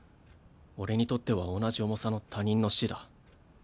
俺にとっては同じ重さの他人の死だ。